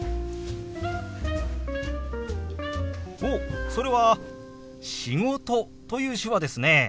おっそれは「仕事」という手話ですね。